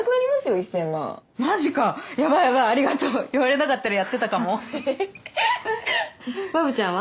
１０００万マジかやばいやばいありがとう言われなかったらやってたかもええー？ははっわぶちゃんは？